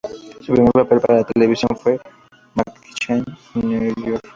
Su primer papel para la televisión fue en "Mädchen Nr.